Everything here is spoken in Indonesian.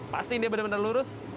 pasti dia benar benar lurus